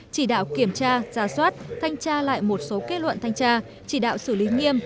chỉ đạo kiểm tra giả soát thanh tra lại một số kết luận thanh tra chỉ đạo xử lý nghiêm